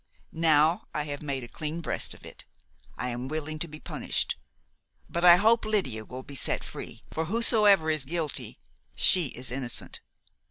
Now I have made a clean breast of it I am willing to be punished; but I hope Lydia will be set free, for whosoever is guilty, she is innocent.